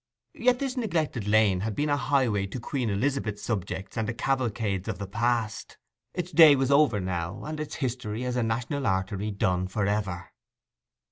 Yet this neglected lane had been a highway to Queen Elizabeth's subjects and the cavalcades of the past. Its day was over now, and its history as a national artery done for ever.